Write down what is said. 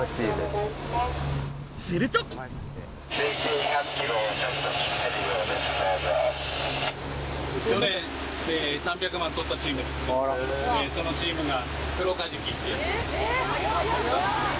するとそのチームが。